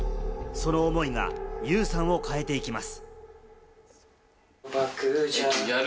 その思いがユウさんを変えていきます。